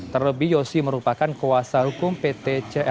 terlebih yosi merupakan kuasa hukum pt cm